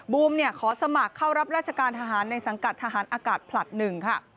ขอสมัครเข้ารับราชการทหารในสังกัดทหารอากาศผลัด๑ค่ะ